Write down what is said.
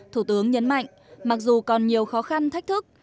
thủ tướng nhấn mạnh mặc dù còn nhiều khó khăn thách thức